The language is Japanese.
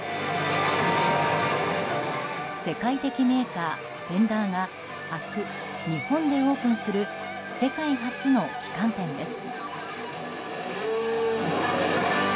世界的メーカー・フェンダーが明日、日本でオープンする世界初の旗艦店です。